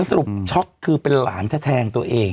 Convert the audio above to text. ันสรุปช็อคคือเป็นหลานแธงตัวเอง